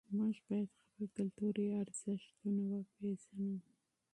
موږ باید خپل کلتوري ارزښتونه وپېژنو.